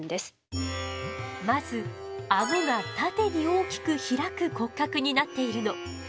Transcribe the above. まずアゴが縦に大きく開く骨格になっているの。